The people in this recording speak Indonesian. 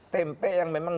tempe yang memang